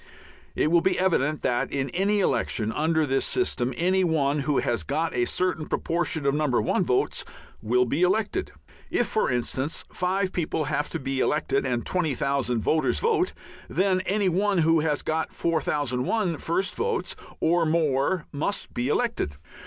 It will be evident that, in any election under this system, any one who has got a certain proportion of No. 1 votes will be elected. If, for instance, five people have to be elected and 20,000 voters vote, then any one who has got 4001 first votes or more must be elected.